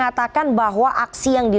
ini dianggap sebagai pelaku pembunuh diri